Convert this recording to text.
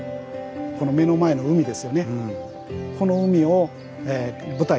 この目の前の海ですよね。